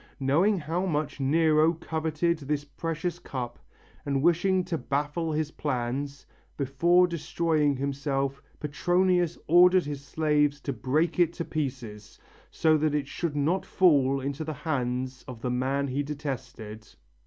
Knowing how much Nero coveted this precious cup and wishing to baffle his plans, before destroying himself Petronius ordered his slaves to break it to pieces, so that it should not fall into the hands of the man he detested.